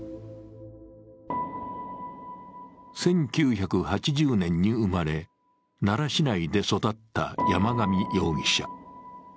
１９８０年に生まれ奈良市内で育った山上容疑者。